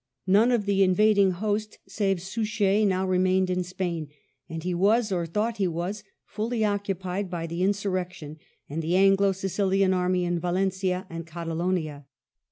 None of the invading host save Suchet now remained in Spain, and he was, or thought he was, fully occupied by the insurrection and the Anglo Sicilian army in Valencia and Catalonia.